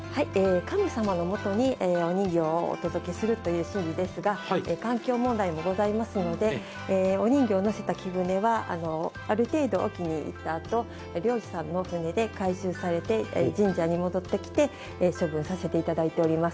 神様のもとにお人形をお届けするという神事ですが、環境問題もございますので、お人形を乗せた木舟はある程度、沖に行ったあと、漁師さんの船で回収されて神社に戻ってきて処分させていただいています。